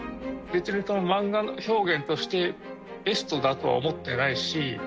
漫画表現として、ベストだとは思ってないし。